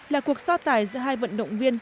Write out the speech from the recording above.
là cuộc so tải giữa hai vận động viên